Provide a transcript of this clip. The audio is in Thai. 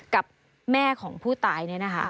กับแม่ของผู้ตาย